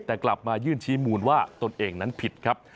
แต่กลับมายื่นชี้มูลว่าตนเองนั้นผิดครับ